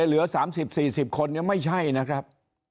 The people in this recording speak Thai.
เหลือสามสิบสี่สิบคนยังไม่ใช่นะครับ